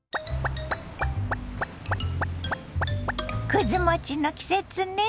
くず餅の季節ね。